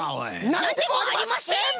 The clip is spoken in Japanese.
なんでもありません！